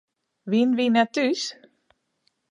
Wienen wy net thús?